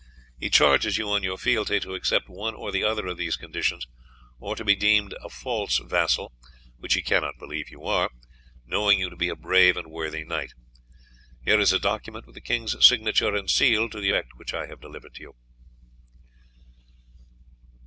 He charges you on your fealty to accept one or other of these conditions, or to be deemed a false vassal, which he cannot believe you are, knowing you to be a brave and worthy knight. Here is a document with the king's signature and seal to the effect which I have delivered to you."